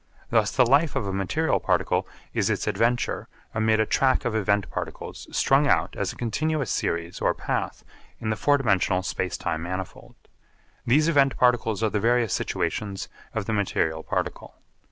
Thus the life of a material particle is its adventure amid a track of event particles strung out as a continuous series or path in the four dimensional space time manifold. These event particles are the various situations of the material particle.